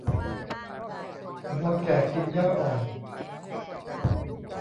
วัวแก่กินหญ้าอ่อน